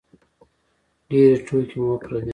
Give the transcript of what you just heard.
ډېرې ټوکې مو وکړلې.